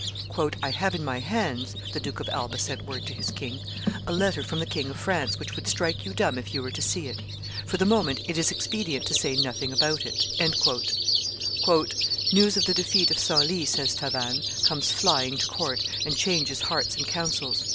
"I have in my hands," the Duke of Alba sent word to his king, "a letter from the King of France which would strike you dumb if you were to see it; for the moment, it is expedient to say nothing about it." "News of the defeat of Senlis," says Tavannes, "comes flying to court, and changes hearts and counsels.